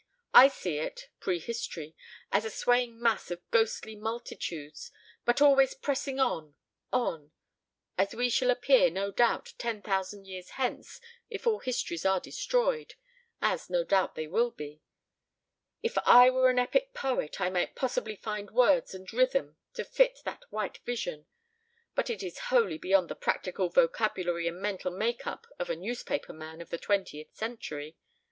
I see it prehistory as a swaying mass of ghostly multitudes, but always pressing on on ... as we shall appear, no doubt, ten thousand years hence if all histories are destroyed as no doubt they will be. If I were an epic poet I might possibly find words and rhythm to fit that white vision, but it is wholly beyond the practical vocabulary and mental make up of a newspaper man of the twentieth century.